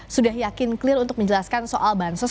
sudah yakin clear untuk menjelaskan soal bansos